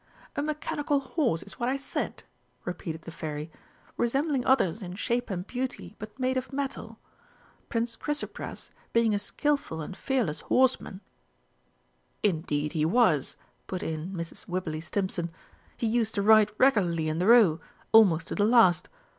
"A mechanical horse is what I said," repeated the Fairy, "resembling others in shape and beauty, but made of metal. Prince Chrysopras, being a skilful and fearless horseman " "Indeed he was!" put in Mrs. Wibberley Stimpson. "He used to ride regularly in the Row, almost to the last.